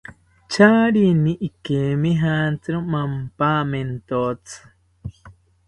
Charini ikemijantziro mampamentotzi